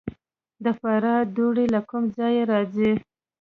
د فراه دوړې له کوم ځای راځي؟